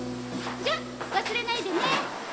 じゃ忘れないでね。